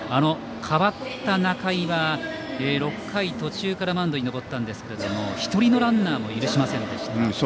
代わった仲井は、６回途中からマウンドに登ったんですけども１人のランナーも許しませんでした。